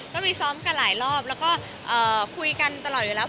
ก็มีซ้อมกันหลายรอบแล้วก็คุยกันตลอดอยู่แล้ว